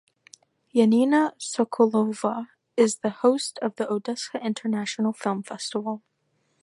Yanina Sokolova is the host of the Odesa International Film Festival.